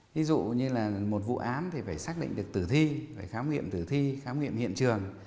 ví dụ như là một vụ án thì phải xác định được tử thi phải khám nghiệm tử thi khám nghiệm hiện trường